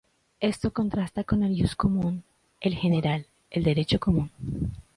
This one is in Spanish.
Esto contrasta con el ius commune, el general, el derecho común.